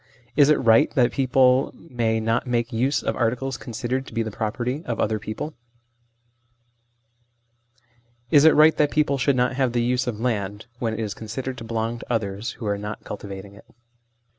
Is it right that people may LAWS CONCERNING TAXES, ETC. 77 not make use of articles considered to be the property of other people ? Is it right that people should not have the use of land when it is considered to belong to others who are not cultivating it